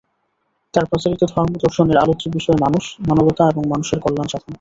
তাঁর প্রচারিত ধর্ম-দর্শনের আলোচ্য বিষয় মানুষ, মানবতা এবং মানুষের কল্যাণ সাধন।